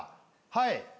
はい。